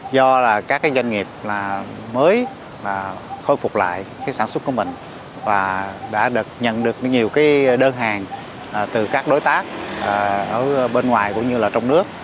do các doanh nghiệp mới khôi phục lại sản xuất của mình và đã nhận được nhiều đơn hàng từ các đối tác bên ngoài cũng như trong nước